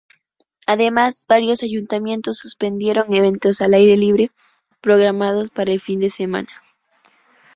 Además, varios ayuntamientos suspendieron eventos al aire libre programados para el fin de semana.